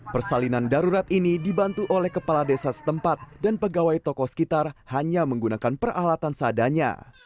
persalinan darurat ini dibantu oleh kepala desa setempat dan pegawai toko sekitar hanya menggunakan peralatan sadanya